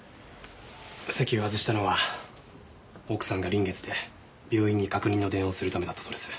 席を外したのは奥さんが臨月で病院に確認の電話をするためだったそうです。